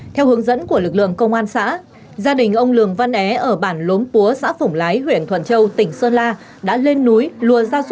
theo hướng dẫn của lực lượng công an xã gia đình ông lường văn é ở bản lốm púa xã phổng lái huyện thuận châu tỉnh sơn la